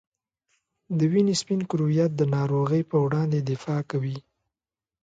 د وینې سپین کرویات د ناروغۍ په وړاندې دفاع کوي.